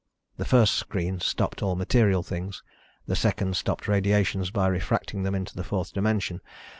The first screen stopped all material things. The second stopped radiations by refracting them into the fourth dimension.